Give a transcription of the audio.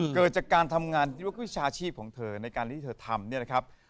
เกิดจากการทำงานที่ว่าวิชาชีพของเธอในการที่เธอทำเนี่ยนะครับ